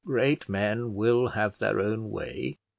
Great men will have their own way."